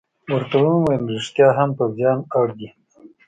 ورته مې وویل: رښتیا هم، پوځیان اړ دي.